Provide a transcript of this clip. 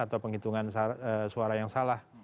atau penghitungan suara yang salah